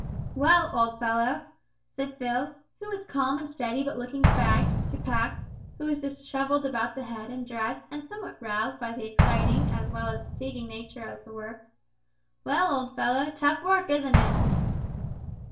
"Well, old fellow," said Phil, who was calm and steady but looking fagged, to Pax, who was dishevelled about the head and dress and somewhat roused by the exciting as well as fatiguing nature of the work, "Well, old fellow; tough work, isn't it?"